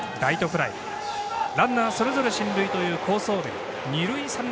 ランナーそれぞれ進塁という好走塁。